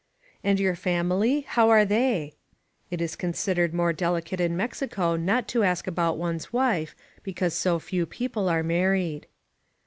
"And your family? How are they?" (It is consid* ered more delicate in Mexico not to ask about one's wife, because so few people are married.)